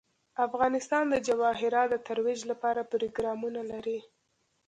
افغانستان د جواهرات د ترویج لپاره پروګرامونه لري.